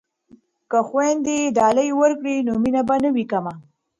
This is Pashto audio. که خویندې ډالۍ ورکړي نو مینه به نه وي کمه.